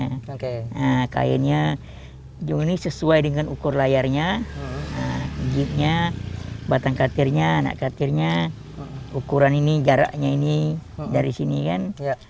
nah kainnya jong ini sesuai dengan ukur layarnya jeepnya batang katirnya anak katirnya ukuran ini jaraknya ini dari sini kan